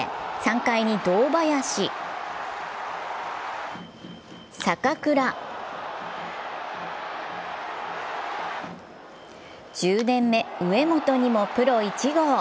３回に堂林、坂倉、１０年目・上本にもプロ１号。